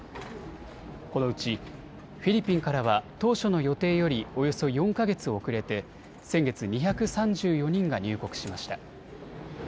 このうちフィリピンからは当初の予定よりおよそ４か月おくれて先月２３４人が入国しました。